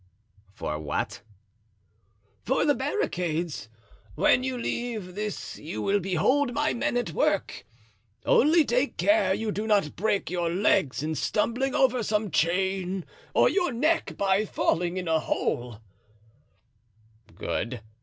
"For what?" "For the barricades. When you leave this you will behold my men at work. Only take care you do not break your legs in stumbling over some chain or your neck by falling in a hole." "Good!